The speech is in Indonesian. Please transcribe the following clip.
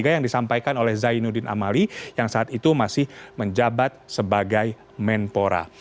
yang disampaikan oleh zainuddin amali yang saat itu masih menjabat sebagai menpora